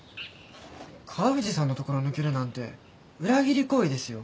川藤さんのところ抜けるなんて裏切り行為ですよ。